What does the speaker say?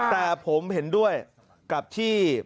แต่ผมเห็นด้วยกับที่